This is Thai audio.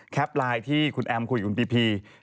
ตัดไลน์ที่คุณแอมท์ข่วยคุณปีพี